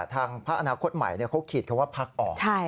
ทางพักอนาคตใหม่เขาขีดคำว่าพักออก